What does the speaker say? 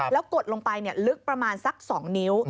แล้วกดลงไปลึกประมาณสัก๒นิ้ว